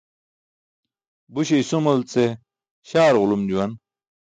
Buśe isumal ce śaar ġulum juwan.